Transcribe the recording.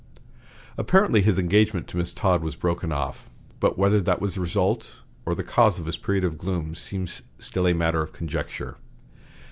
Apparently his engagement to Miss Todd was broken off, but whether that was the result or the cause of his period of gloom seems still a matter of conjecture.